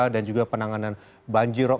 dan juga penanganan banjir rop